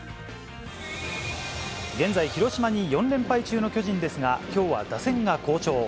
現在、広島に４連敗中の巨人ですが、きょうは打線が好調。